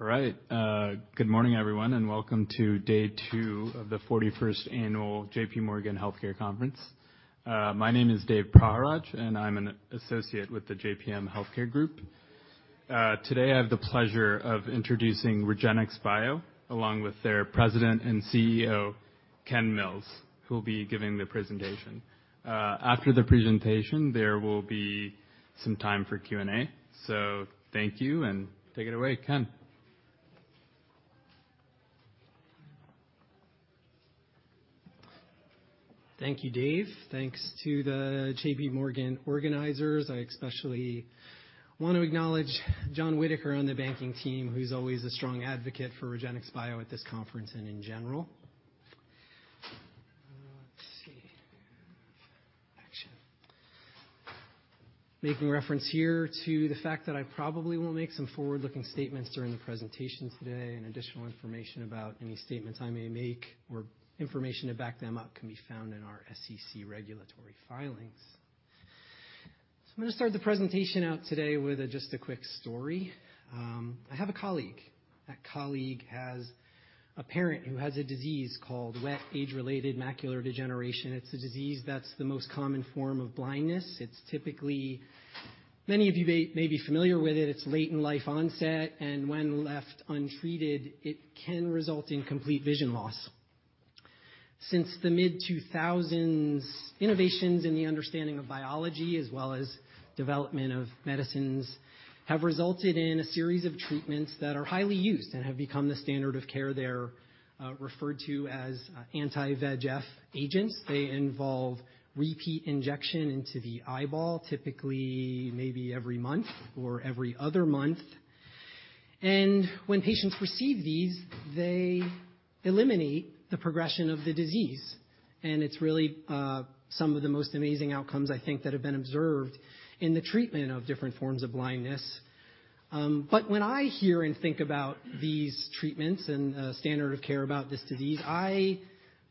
All right. Good morning, everyone, and welcome to day two of the 41st Annual JPMorgan Healthcare Conference. My name is Dave Praharaj, and I'm an Associate with the JPM Healthcare Group. Today I have the pleasure of introducing REGENXBIO, along with their President and CEO, Ken Mills, who will be giving the presentation. After the presentation, there will be some time for Q&A. Thank you and take it away Ken. Thank you Dave, thanks to the JPMorgan organizers. I especially want to acknowledge John Whittaker on the banking team, who's always a strong advocate for REGENXBIO at this conference and in general. Let's see, action. Making reference here to the fact that I probably will make some forward-looking statements during the presentation today and additional information about any statements I may make or information to back them up can be found in our SEC regulatory filings. I'm gonna start the presentation out today with just a quick story. I have a colleague that colleague has a parent who has a disease called wet age-related macular degeneration. It's a disease that's the most common form of blindness. Many of you may be familiar with it, it's late in life onset, and when left untreated, it can result in complete vision loss. Since the mid-2000s, innovations in the understanding of biology as well as development of medicines have resulted in a series of treatments that are highly used and have become the standard of care. They're referred to as anti-VEGF agents, they involve repeat injection into the eyeball, typically maybe every month or every other month. When patients receive these, they eliminate the progression of the disease. It's really some of the most amazing outcomes I think that have been observed in the treatment of different forms of blindness. When I hear and think about these treatments and standard of care about this disease, I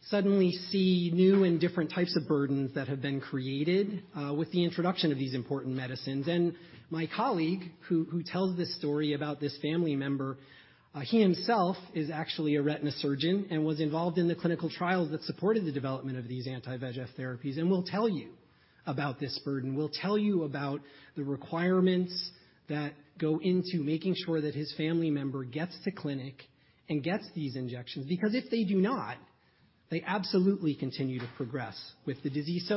suddenly see new and different types of burdens that have been created with the introduction of these important medicines. My colleague who tells this story about this family member, he himself is actually a retina surgeon and was involved in the clinical trials that supported the development of these anti-VEGF therapies and will tell you about this burden, will tell you about the requirements that go into making sure that his family member gets to clinic and gets these injections. Because if they do not, they absolutely continue to progress with the disease.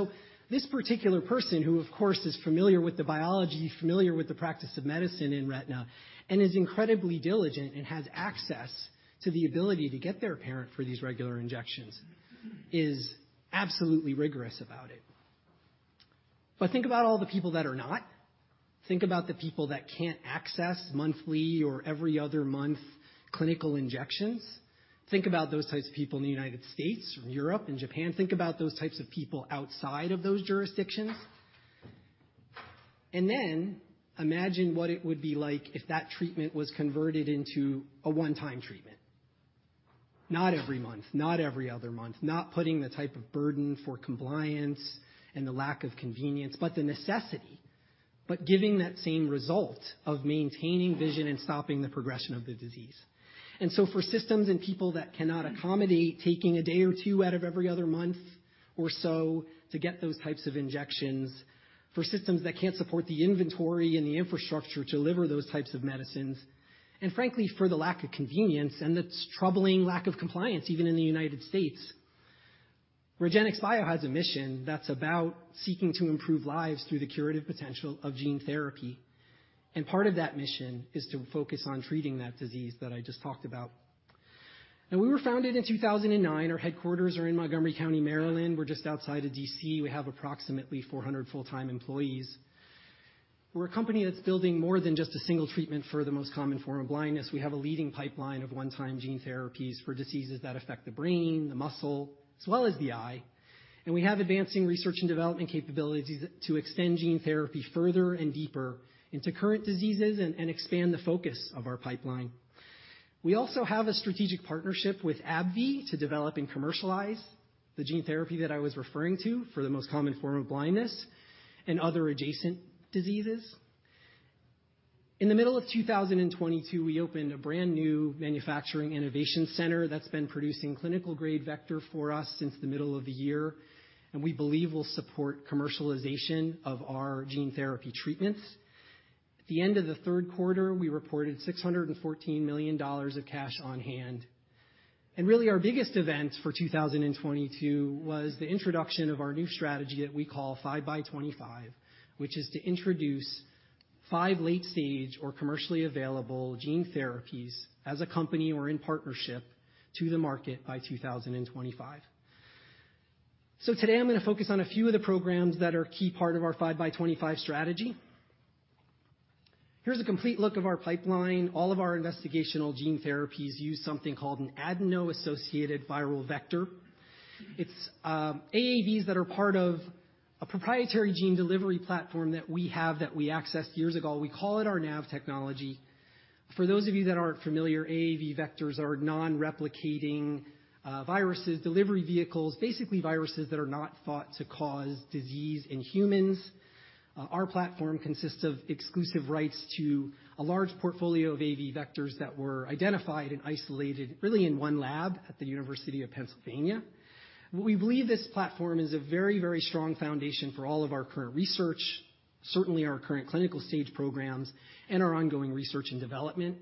This particular person, who, of course, is familiar with the biology, familiar with the practice of medicine in retina and is incredibly diligent and has access to the ability to get their parent for these regular injections, is absolutely rigorous about it. Think about all the people that are not, think about the people that can't access monthly or every other month clinical injections. Think about those types of people in the United States or Europe and Japan. Think about those types of people outside of those jurisdictions. Then imagine what it would be like if that treatment was converted into a one-time treatment. Not every month, not every other month, not putting the type of burden for compliance and the lack of convenience, but the necessity, but giving that same result of maintaining vision and stopping the progression of the disease. So for systems and people that cannot accommodate taking a day or two out of every other month or so to get those types of injections, for systems that can't support the inventory and the infrastructure to deliver those types of medicines, and frankly, for the lack of convenience and its troubling lack of compliance even in the United States. REGENXBIO has a mission that's about seeking to improve lives through the curative potential of gene therapy, part of that mission is to focus on treating that disease that I just talked about. We were founded in 2009, our headquarters are in Montgomery County, Maryland. We're just outside of D.C. we have approximately 400 full-time employees. We're a company that's building more than just a single treatment for the most common form of blindness. We have a leading pipeline of one-time gene therapies for diseases that affect the brain, the muscle, as well as the eye. We have advancing research and development capabilities to extend gene therapy further and deeper into current diseases and expand the focus of our pipeline. We also have a strategic partnership with AbbVie to develop and commercialize the gene therapy that I was referring to for the most common form of blindness and other adjacent diseases. In the middle of 2022, we opened a brand new Manufacturing Innovation Center that's been producing clinical-grade vector for us since the middle of the year, and we believe will support commercialization of our gene therapy treatments. At the end of the 3rd quarter, we reported $614 million of cash on hand. Really our biggest event for 2022 was the introduction of our new strategy that we call 5x'25, which is to introduce five late-stage or commercially available gene therapies as a company or in partnership to the market by 2025. Today I'm gonna focus on a few of the programs that are a key part of our 5x'25 strategy. Here's a complete look of our pipeline. All of our investigational gene therapies use something called an adeno-associated viral vector. It's AAVs that are part of a proprietary gene delivery platform that we have that we accessed years ago. We call it our NAV Technology, for those of you that aren't familiar, AAV vectors are non-replicating viruses, delivery vehicles, basically viruses that are not thought to cause disease in humans. Our platform consists of exclusive rights to a large portfolio of AAV vectors that were identified and isolated really in one lab at the University of Pennsylvania. We believe this platform is a very strong foundation for all of our current research, certainly our current clinical stage programs, and our ongoing research and development.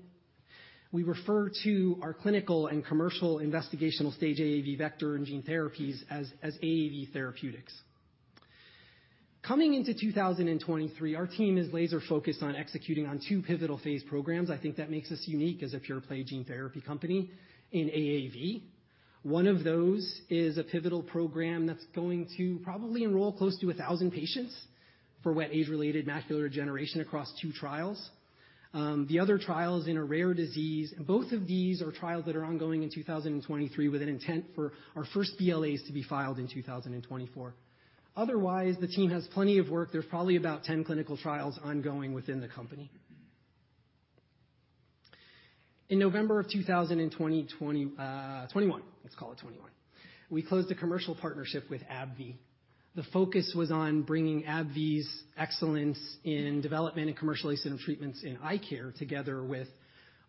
We refer to our clinical and commercial investigational stage AAV vector and gene therapies as AAV Therapeutics. Coming into 2023, our team is laser-focused on executing on two pivotal phase programs. I think that makes us unique as a pure play gene therapy company in AAV. One of those is a pivotal program that's going to probably enroll close to 1,000 patients for wet age-related macular degeneration across two trials, the other trial is in a rare disease. Both of these are trials that are ongoing in 2023 with an intent for our first BLAs to be filed in 2024. Otherwise, the team has plenty of work there's probably about 10 clinical trials ongoing within the company. In November of 2021, we closed a commercial partnership with AbbVie. The focus was on bringing AbbVie's excellence in development and commercialization of treatments in eye care together with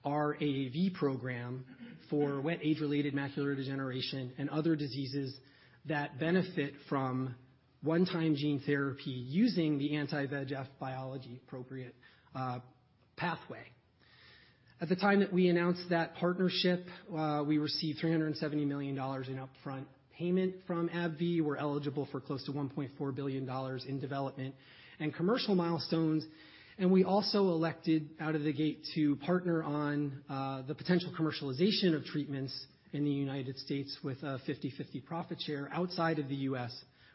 our AAV program for wet age-related macular degeneration and other diseases that benefit from one-time gene therapy using the anti-VEGF biology appropriate pathway. At the time that we announced that partnership, we received $370 million in upfront payment from AbbVie. We're eligible for close to $1.4 billion in development and commercial milestones, and we also elected out of the gate to partner on the potential commercialization of treatments in the U.S. with a 50/50 profit share. Outside of the U.S.,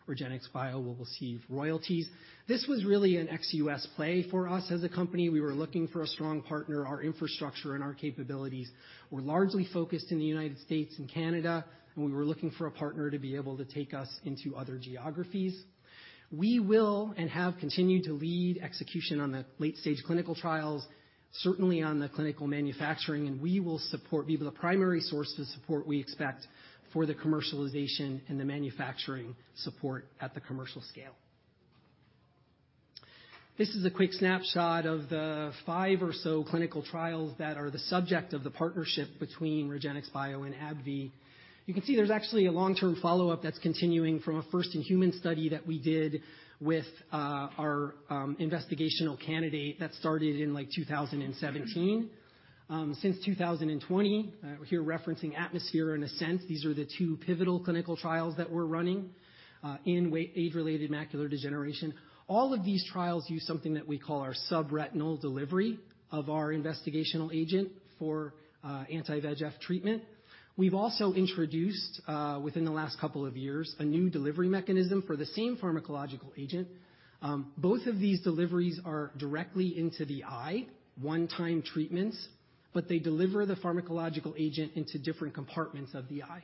REGENXBIO will receive royalties. This was really an ex-U.S. play for us as a company we were looking for a strong partner. Our infrastructure and our capabilities were largely focused in the United States and Canada, and we were looking for a partner to be able to take us into other geographies. We will and have continued to lead execution on the late-stage clinical trials, certainly on the clinical manufacturing, and we will support, be the primary source of support we expect for the commercialization and the manufacturing support at the commercial scale. This is a quick snapshot of the five or so clinical trials that are the subject of the partnership between REGENXBIO and AbbVie. You can see there's actually a long-term follow-up that's continuing from a first-in-human study that we did with our investigational candidate that started in, like, 2017. Since 2020, we're here referencing ATMOSPHERE and ASCENT. These are the two pivotal clinical trials that we're running in wet age-related macular degeneration. All of these trials use something that we call our subretinal delivery of our investigational agent for anti-VEGF treatment. We've also introduced within the last couple of years, a new delivery mechanism for the same pharmacological agent. Both of these deliveries are directly into the eye, one-time treatments. They deliver the pharmacological agent into different compartments of the eye.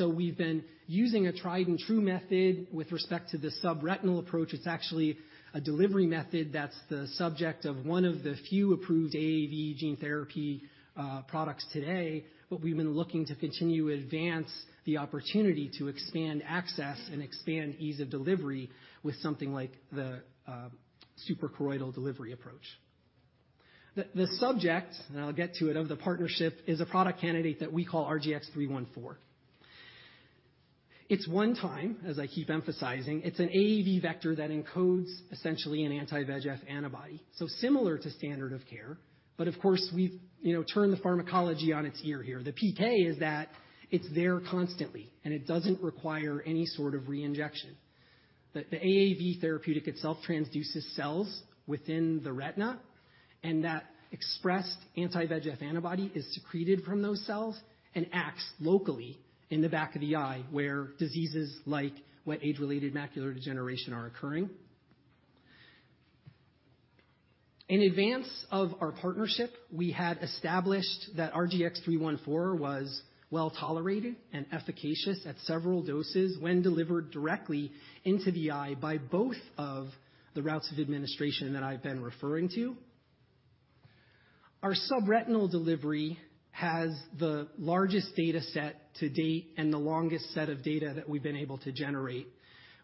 We've been using a tried-and-true method with respect to the subretinal approach. It's actually a delivery method that's the subject of one of the few approved AAV gene therapy products today. We've been looking to continue to advance the opportunity to expand access and expand ease of delivery with something like the suprachoroidal delivery approach. The subject, and I'll get to it, of the partnership is a product candidate that we call RGX-314. It's one time, as I keep emphasizing, it's an AAV vector that encodes essentially an anti-VEGF antibody, similar to standard of care. Of course, we've, you know, turned the pharmacology on its ear here. The PK is that it's there constantly, it doesn't require any sort of re-injection. The AAV therapeutic itself transduces cells within the retina, that expressed anti-VEGF antibody is secreted from those cells and acts locally in the back of the eye where diseases like wet age-related macular degeneration are occurring. In advance of our partnership, we had established that RGX-314 was well-tolerated and efficacious at several doses when delivered directly into the eye by both of the routes of administration that I've been referring to. Our subretinal delivery has the largest data set to date and the longest set of data that we've been able to generate.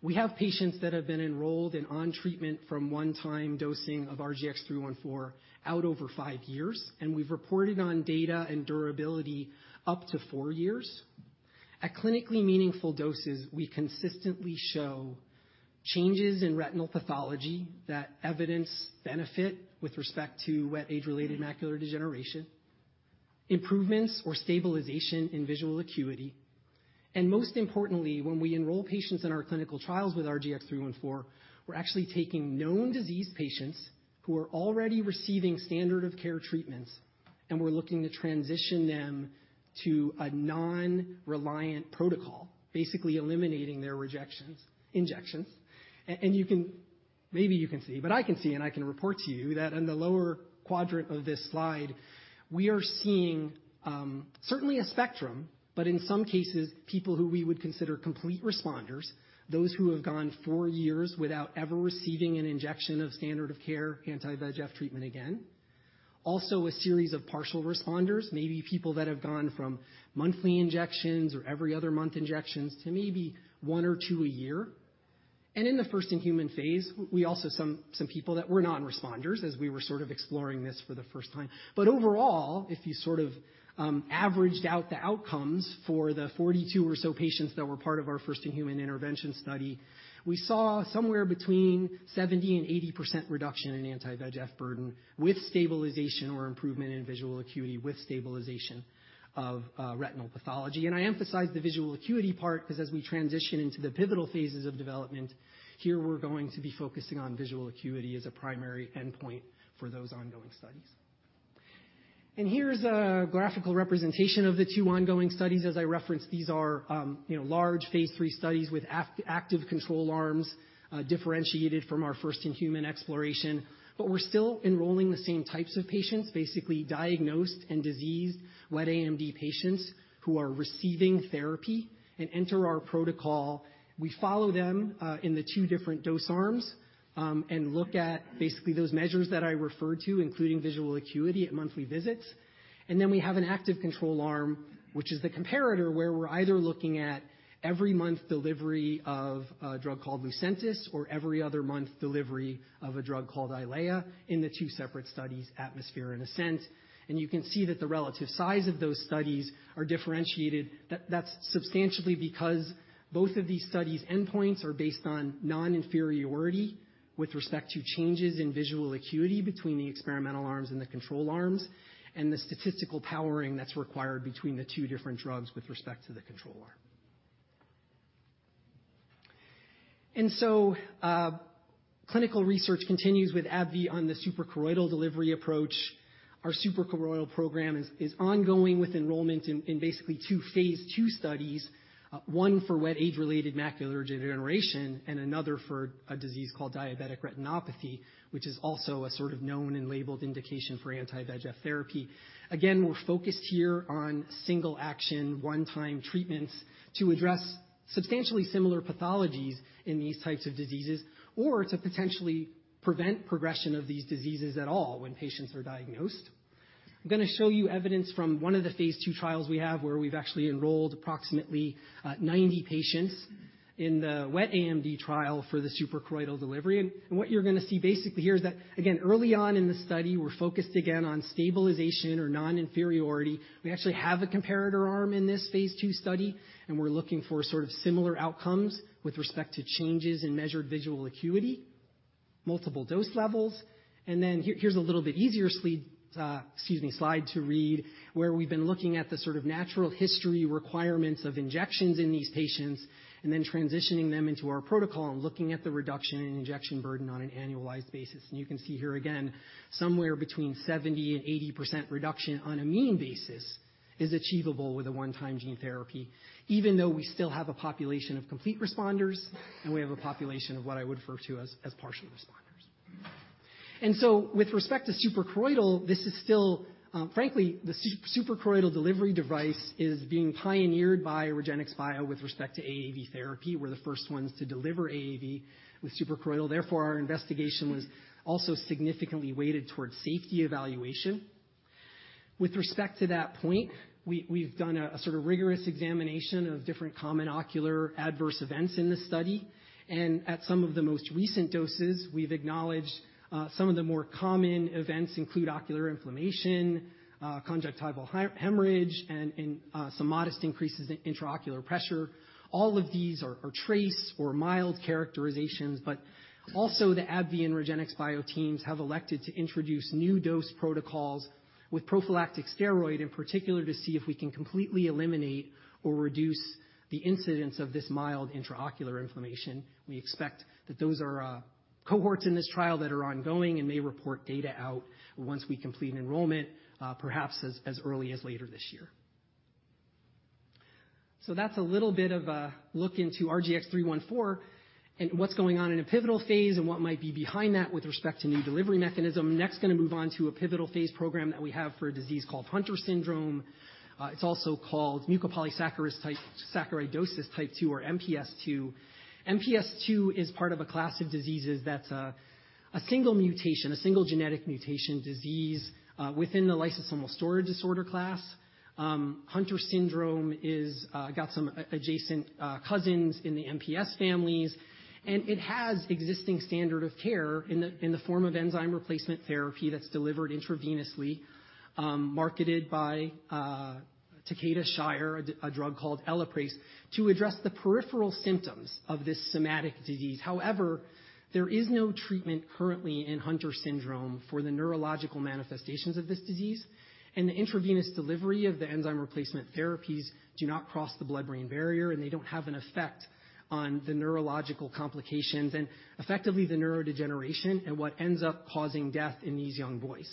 We have patients that have been enrolled and on treatment from one-time dosing of RGX-314 out over five years, and we've reported on data and durability up to four years. At clinically meaningful doses, we consistently show changes in retinal pathology that evidence benefit with respect to wet age-related macular degeneration, improvements or stabilization in visual acuity. Most importantly, when we enroll patients in our clinical trials with RGX-314, we're actually taking known disease patients who are already receiving standard of care treatments, and we're looking to transition them to a non-reliant protocol, basically eliminating their rejections, injections. And you can...maybe you can see, but I can see, and I can report to you that in the lower quadrant of this slide, we are seeing, certainly a spectrum, but in some cases, people who we would consider complete responders, those who have gone four years without ever receiving an injection of standard of care anti-VEGF treatment again. Also a series of partial responders, maybe people that have gone from monthly injections or every other month injections to maybe one or two year. In the first-in-human phase, we also some people that were non-responders as we were sort of exploring this for the first time. Overall, if you sort of averaged out the outcomes for the 42 or so patients that were part of our first-in-human intervention study, we saw somewhere between 70%-80% reduction in anti-VEGF burden with stabilization or improvement in visual acuity, with stabilization of retinal pathology. I emphasize the visual acuity part 'cause as we transition into the pivotal phases of development, here we're going to be focusing on visual acuity as a primary endpoint for those ongoing studies. Here's a graphical representation of the two ongoing studies as I referenced. These are, you know, large phase III studies with active control arms, differentiated from our first-in-human exploration. We're still enrolling the same types of patients, basically diagnosed and diseased wet AMD patients who are receiving therapy and enter our protocol. We follow them in the two different dose arms and look at basically those measures that I referred to, including visual acuity at monthly visits. We have an active control arm, which is the comparator, where we're either looking at every month delivery of a drug called Lucentis or every other month delivery of a drug called Eylea in the two separate studies, ATMOSPHERE and ASCENT. You can see that the relative size of those studies are differentiated. That's substantially because both of these studies' endpoints are based on non-inferiority with respect to changes in visual acuity between the experimental arms and the control arms, and the statistical powering that's required between the two different drugs with respect to the control arm. Clinical research continues with AbbVie on the suprachoroidal delivery approach. Our suprachoroidal program is ongoing with enrollment in basically two phase II studies, one for wet age-related macular degeneration and another for a disease called diabetic retinopathy, which is also a sort of known and labeled indication for anti-VEGF therapy. We're focused here on single-action, one-time treatments to address substantially similar pathologies in these types of diseases or to potentially prevent progression of these diseases at all when patients are diagnosed. I'm gonna show you evidence from one of the phase II trials we have where we've actually enrolled approximately 90 patients in the wet AMD trial for the suprachoroidal delivery. What you're gonna see basically here is that, again, early on in the study, we're focused again on stabilization or non-inferiority. We actually have a comparator arm in this phase II study. We're looking for sort of similar outcomes with respect to changes in measured visual acuity, multiple dose levels. Here's a little bit easier slide to read, where we've been looking at the sort of natural history requirements of injections in these patients and then transitioning them into our protocol and looking at the reduction in injection burden on an annualized basis. You can see here again, somewhere between 70%-80% reduction on a mean basis is achievable with a one-time gene therapy, even though we still have a population of complete responders, and we have a population of what I would refer to as partial responders. With respect to suprachoroidal, this is still, frankly, the suprachoroidal delivery device is being pioneered by REGENXBIO with respect to AAV therapy. We're the first ones to deliver AAV with suprachoroidal. Therefore, our investigation was also significantly weighted towards safety evaluation. With respect to that point, we've done a sort of rigorous examination of different common ocular adverse events in this study. At some of the most recent doses, we've acknowledged some of the more common events include ocular inflammation, conjunctival hemorrhage, and some modest increases in intraocular pressure. All of these are trace or mild characterizations, but also the AbbVie and REGENXBIO teams have elected to introduce new dose protocols with prophylactic steroid, in particular, to see if we can completely eliminate or reduce the incidence of this mild intraocular inflammation. We expect that those are cohorts in this trial that are ongoing and may report data out once we complete enrollment, perhaps as early as later this year. That's a little bit of a look into RGX-314 and what's going on in a pivotal phase and what might be behind that with respect to new delivery mechanism. Gonna move on to a pivotal phase program that we have for a disease called Hunter syndrome. It's also called mucopolysaccharidosis type II or MPS II. MPS II is part of a class of diseases that's a single mutation, a single genetic mutation disease, within the lysosomal storage disorder class. Hunter syndrome is got some adjacent cousins in the MPS families, and it has existing standard of care in the form of enzyme replacement therapy that's delivered intravenously, marketed by Takeda Shire, a drug called Elaprase, to address the peripheral symptoms of this somatic disease. However, there is no treatment currently in Hunter syndrome for the neurological manifestations of this disease, and the intravenous delivery of the enzyme replacement therapies do not cross the blood-brain barrier, and they don't have an effect on the neurological complications and effectively the neurodegeneration and what ends up causing death in these young boys.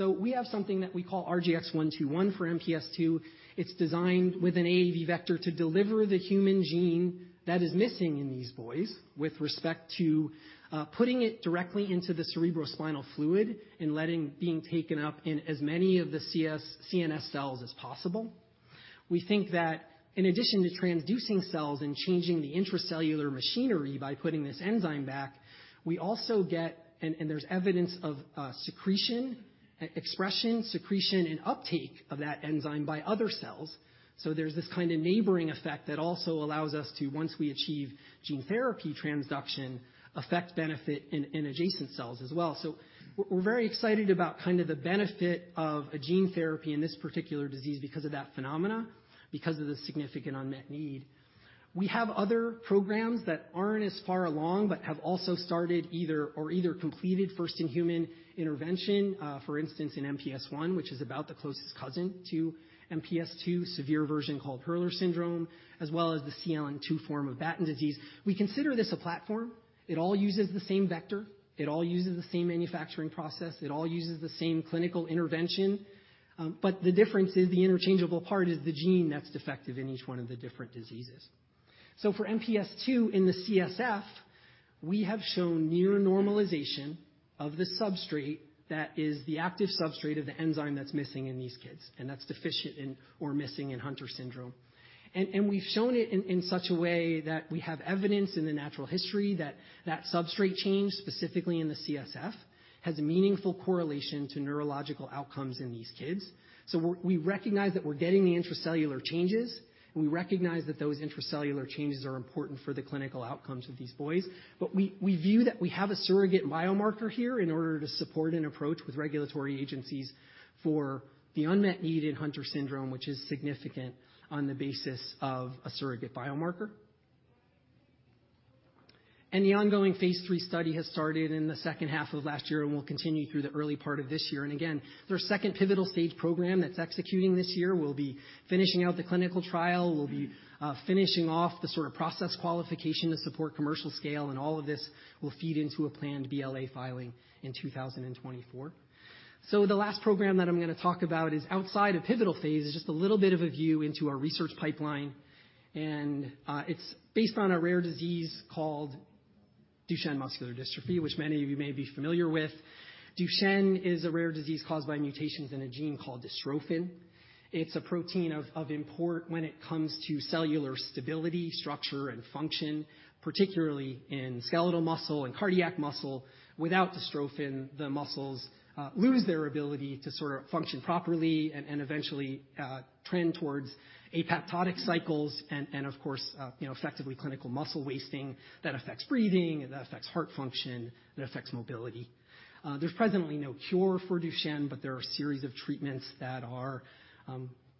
We have something that we call RGX-121 for MPS II, it's designed with an AAV vector to deliver the human gene that is missing in these boys with respect to putting it directly into the cerebrospinal fluid and letting being taken up in as many of the CNS cells as possible. We think that in addition to transducing cells and changing the intracellular machinery by putting this enzyme back, we also get. There's evidence of secretion, expression, secretion, and uptake of that enzyme by other cells. There's this kind of neighboring effect that also allows us to, once we achieve gene therapy transduction, affect benefit in adjacent cells as well. We're very excited about kind of the benefit of a gene therapy in this particular disease because of that phenomena, because of the significant unmet need. We have other programs that aren't as far along, but have also started either...either completed first in-human intervention, for instance, in MPS I, which is about the closest cousin to MPS II, severe version called Hurler syndrome, as well as the CLN2 form of Batten disease. We consider this a platform. It all uses the same vector, it all uses the same manufacturing process, it all uses the same clinical intervention. The difference is the interchangeable part is the gene that's defective in each one of the different diseases. For MPS II in the CSF, we have shown near normalization of the substrate that is the active substrate of the enzyme that's missing in these kids, and that's deficient in or missing in Hunter syndrome. We've shown it in such a way that we have evidence in the natural history that that substrate change, specifically in the CSF, has a meaningful correlation to neurological outcomes in these kids. We recognize that we're getting the intracellular changes, and we recognize that those intracellular changes are important for the clinical outcomes of these boys. We view that we have a surrogate biomarker here in order to support an approach with regulatory agencies for the unmet need in Hunter syndrome, which is significant on the basis of a surrogate biomarker. The ongoing phase III study has started in the second half of last year and will continue through the early part of this year. Again, their second pivotal stage program that's executing this year will be finishing out the clinical trial. We'll be finishing off the sort of process qualification to support commercial scale, and all of this will feed into a planned BLA filing in 2024. The last program that I'm gonna talk about is outside of pivotal phase. It's just a little bit of a view into our research pipeline, and it's based on a rare disease called Duchenne muscular dystrophy, which many of you may be familiar with. Duchenne is a rare disease caused by mutations in a gene called dystrophin. It's a protein of import when it comes to cellular stability, structure, and function, particularly in skeletal muscle and cardiac muscle. Without dystrophin, the muscles lose their ability to sort of function properly and eventually trend towards apoptotic cycles and of course, you know, effectively clinical muscle wasting that affects breathing, and that affects heart function, and it affects mobility. There's presently no cure for Duchenne, but there are a series of treatments that are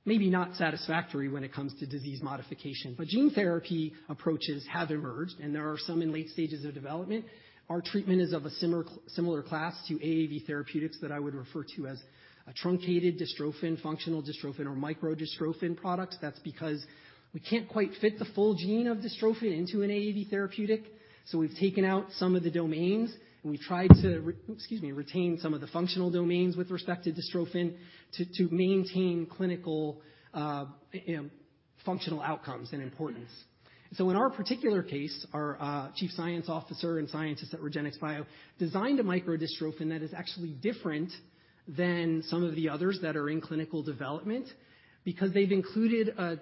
maybe not satisfactory when it comes to disease modification. Gene therapy approaches have emerged, and there are some in late stages of development. Our treatment is of a similar class to AAV Therapeutics that I would refer to as a truncated dystrophin, functional dystrophin, or micro-dystrophin products. That's because we can't quite fit the full gene of dystrophin into an AAV therapeutic, so we've taken out some of the domains, and we tried to retain some of the functional domains with respect to dystrophin to maintain clinical functional outcomes and importance. In our particular case, our chief science officer and scientists at REGENXBIO designed a micro-dystrophin that is actually different than some of the others that are in clinical development, because they've included a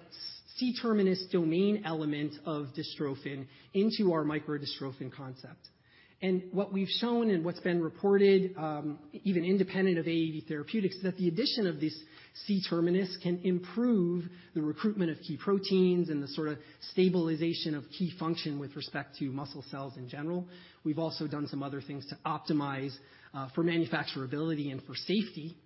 C-terminus domain element of dystrophin into our micro-dystrophin concept. What we've shown and what's been reported, even independent of AAV therapeutics, is that the addition of this C-terminus can improve the recruitment of key proteins and the sort of stabilization of key function with respect to muscle cells in general. We've also done some other things to optimize for manufacturability and for safety.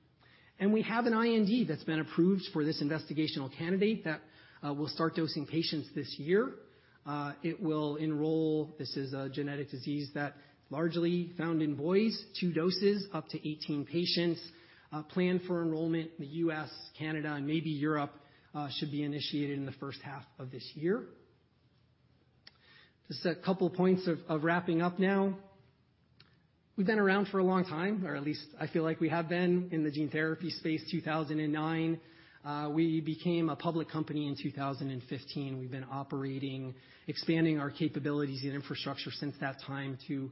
We have an IND that's been approved for this investigational candidate that will start dosing patients this year. This is a genetic disease that largely found in boys, two doses, up to 18 patients. Plan for enrollment in the U.S., Canada, and maybe Europe should be initiated in the first half of this year. Just a couple points of wrapping up now. We've been around for a long time, or at least I feel like we have been in the gene therapy space, 2009. We became a public company in 2015. We've been operating, expanding our capabilities and infrastructure since that time to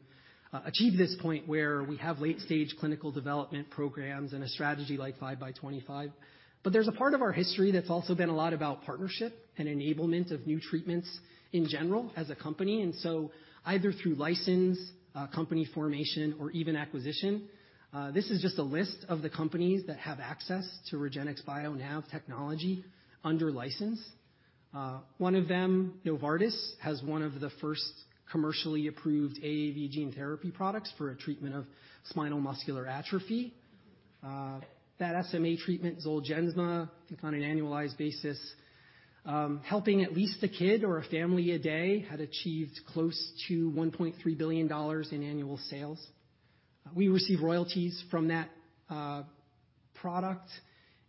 achieve this point where we have late-stage clinical development programs and a strategy like 5x'25. There's a part of our history that's also been a lot about partnership and enablement of new treatments in general as a company, either through license, company formation, or even acquisition. This is just a list of the companies that have access to REGENXBIO now technology under license. One of them, Novartis, has one of the first commercially approved AAV gene therapy products for a treatment of spinal muscular atrophy. That SMA treatment, Zolgensma, I think on an annualized basis, helping at least a kid or a family a day, had achieved close to $1.3 billion in annual sales. We receive royalties from that product.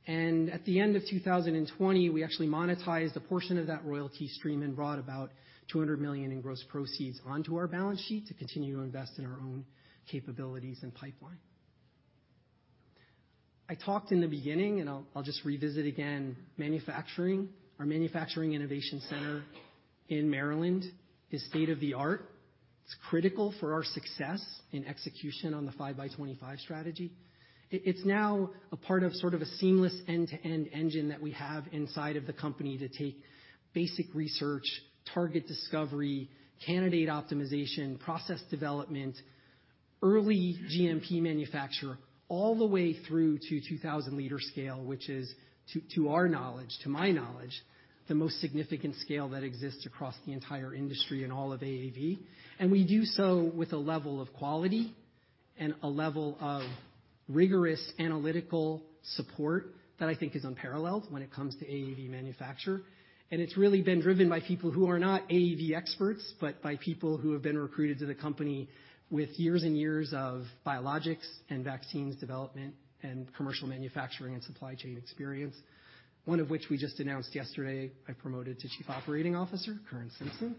At the end of 2020, we actually monetized a portion of that royalty stream and brought about $200 million in gross proceeds onto our balance sheet to continue to invest in our own capabilities and pipeline. I talked in the beginning, and I'll just revisit again, manufacturing. Our Manufacturing Innovation Center in Maryland is state-of-the-art. It's critical for our success in execution on the 5x'25 strategy. It's now a part of sort of a seamless end-to-end engine that we have inside of the company to take basic research, target discovery, candidate optimization, process development, early GMP manufacture, all the way through to 2,000 L scale, which is to our knowledge, to my knowledge, the most significant scale that exists across the entire industry in all of AAV. We do so with a level of quality and a level of rigorous analytical support that I think is unparalleled when it comes to AAV manufacture. It's really been driven by people who are not AAV experts, but by people who have been recruited to the company with years and years of biologics and vaccines development and commercial manufacturing and supply chain experience. One of which we just announced yesterday, I promoted to Chief Operating Officer, Curran Simpson.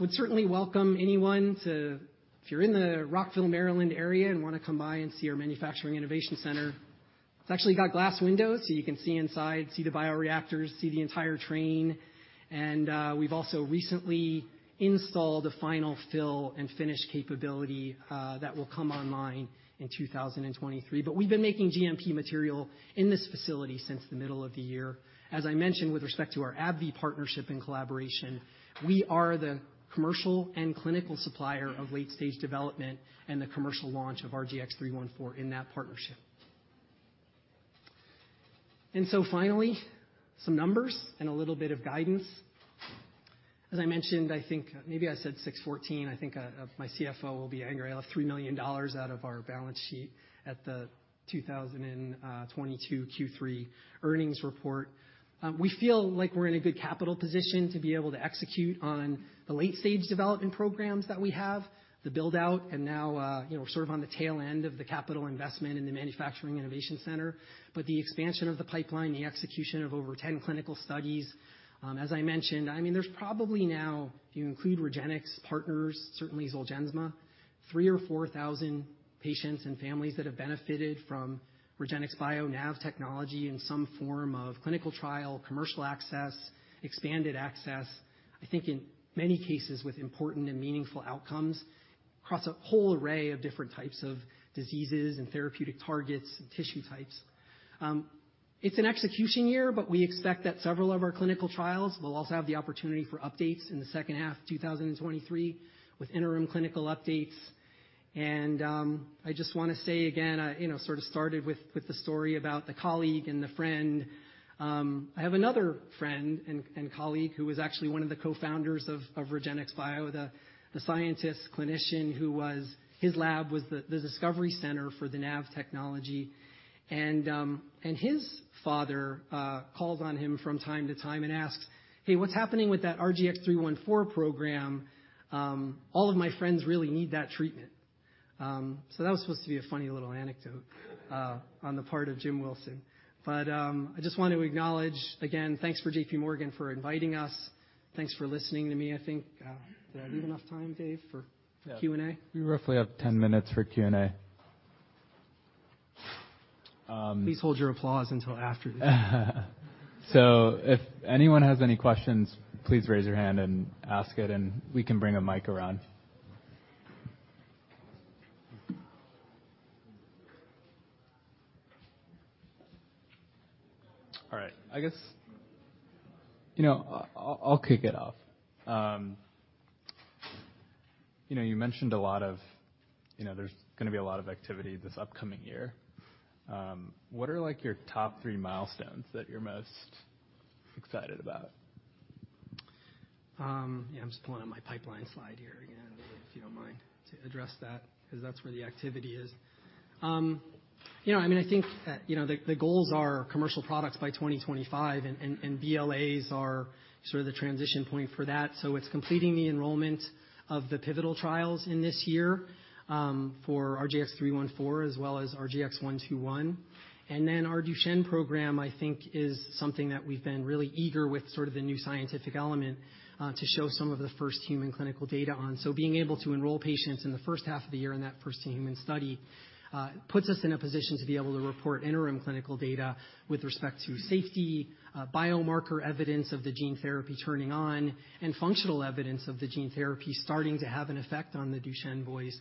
Would certainly welcome anyone to. If you're in the Rockville, Maryland area and wanna come by and see our Manufacturing Innovation Center, it's actually got glass windows, so you can see inside, see the bioreactors, see the entire train. We've also recently installed a final fill and finish capability that will come online in 2023. We've been making GMP material in this facility since the middle of the year. As I mentioned, with respect to our AbbVie partnership and collaboration, we are the commercial and clinical supplier of late-stage development and the commercial launch of RGX-314 in that partnership. Finally, some numbers and a little bit of guidance. As I mentioned, I think maybe I said 614, I think, my CFO will be angry. I left $3 million out of our balance sheet at the 2022 Q3 earnings report. We feel like we're in a good capital position to be able to execute on the late-stage development programs that we have, the build-out, and now, you know, we're sort of on the tail end of the capital investment in the Manufacturing Innovation Center. The expansion of the pipeline, the execution of over 10 clinical studies, as I mentioned, I mean, there's probably now, if you include REGENXBIO partners, certainly Zolgensma, three or 4,000 patients and families that have benefited from REGENXBIO NAV technology in some form of clinical trial, commercial access, expanded access, I think in many cases with important and meaningful outcomes across a whole array of different types of diseases and therapeutic targets and tissue types. It's an execution year, but we expect that several of our clinical trials will also have the opportunity for updates in the second half 2023 with interim clinical updates. I just wanna say again, I, you know, sort of started with the story about the colleague and the friend. I have another friend and colleague who was actually one of the co-founders of REGENXBIO, the scientist clinician. His lab was the discovery center for the NAV technology. His father calls on him from time to time and asks, "Hey, what's happening with that RGX-314 program? All of my friends really need that treatment." That was supposed to be a funny little anecdote on the part of Jim Wilson. I just want to acknowledge again, thanks for JPMorgan for inviting us. Thanks for listening to me. I think, did I leave enough time Dave, for Q&A? Yeah. We roughly have 10 minutes for Q&A. Please hold your applause until after. If anyone has any questions, please raise your hand and ask it, and we can bring a mic around. All right, I guess. You know, I'll kick it off. You know, there's gonna be a lot of activity this upcoming year. What are like your top three milestones that you're most excited about? Yeah, I'm just pulling up my pipeline slide here again, if you don't mind, to address that, 'cause that's where the activity is. You know, I mean, I think, you know, the goals are commercial products by 2025, and BLAs are sort of the transition point for that. It's completing the enrollment of the pivotal trials in this year for RGX-314 as well as RGX-121. Our Duchenne program, I think, is something that we've been really eager with sort of the new scientific element to show some of the first human clinical data on. Being able to enroll patients in the first half of the year in that first human study, puts us in a position to be able to report interim clinical data with respect to safety, biomarker evidence of the gene therapy turning on and functional evidence of the gene therapy starting to have an effect on the Duchenne boys,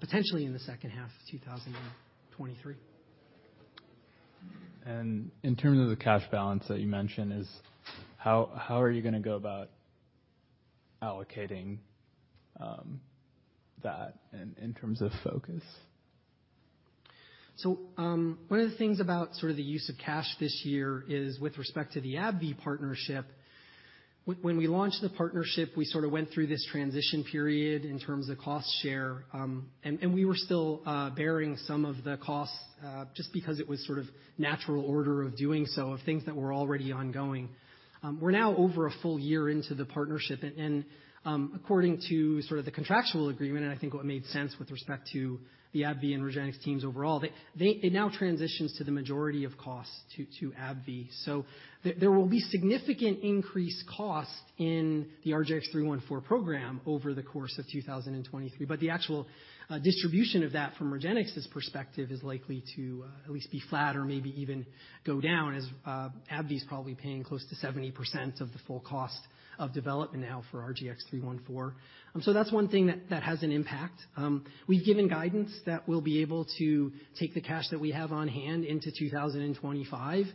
potentially in the second half of 2023. In terms of the cash balance that you mentioned, How are you gonna go about allocating that in terms of focus? One of the things about sort of the use of cash this year is with respect to the AbbVie partnership. When we launched the partnership, we sort of went through this transition period in terms of cost share, and we were still bearing some of the costs just because it was sort of natural order of doing so of things that were already ongoing. We're now over a full year into the partnership and, according to sort of the contractual agreement, and I think what made sense with respect to the AbbVie and REGENXBIO teams overall, it now transitions to the majority of costs to AbbVie. There will be significant increased cost in the RGX-314 program over the course of 2023. The actual distribution of that from REGENXBIO's perspective is likely to at least be flat or maybe even go down as AbbVie is probably paying close to 70% of the full cost of development now for RGX-314 that's one thing that has an impact. We've given guidance that we'll be able to take the cash that we have on hand into 2025.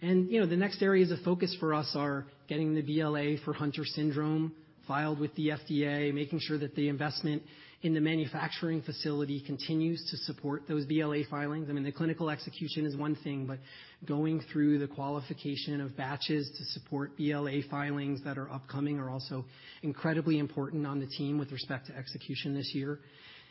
You know, the next areas of focus for us are getting the BLA for Hunter syndrome filed with the FDA, making sure that the investment in the manufacturing facility continues to support those BLA filings. I mean, the clinical execution is one thing, but going through the qualification of batches to support BLA filings that are upcoming are also incredibly important on the team with respect to execution this year.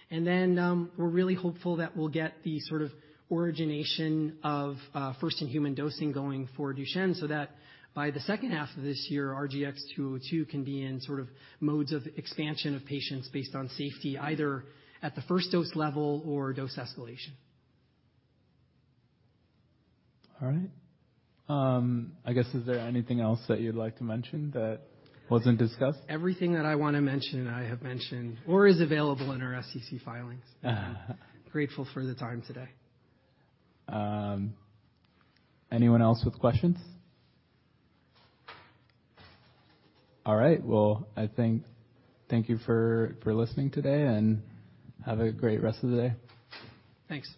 We're really hopeful that we'll get the sort of origination of first-in-human dosing going for Duchenne, so that by the second half of this year, RGX-202 can be in sort of modes of expansion of patients based on safety, either at the first dose level or dose escalation. All right. I guess, is there anything else that you'd like to mention that wasn't discussed? Everything that I wanna mention, I have mentioned or is available in our SEC filings. Grateful for the time today. Anyone else with questions? All right. Well, I thank you for listening today and have a great rest of the day. Thanks.